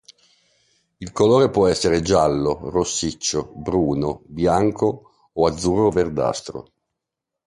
Il colore può essere giallo, rossiccio, bruno, bianco o azzurro-verdastro.